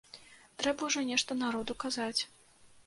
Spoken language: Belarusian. Трэба ўжо нешта народу казаць.